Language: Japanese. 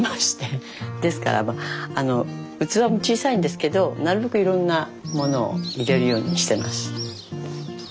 ですから器も小さいんですけどなるべくいろんなものを入れるようにしてます。